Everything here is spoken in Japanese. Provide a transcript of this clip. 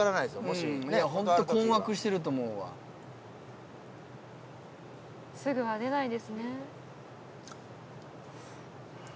うんホント困惑してると思うわすぐは出ないですね